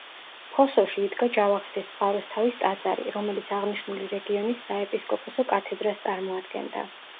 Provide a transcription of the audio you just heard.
ფოსოში იდგა ჯავახეთის წყაროსთავის ტაძარი, რომელიც აღნიშნული რეგიონის საეპისკოპოსო კათედრას წარმოადგენდა.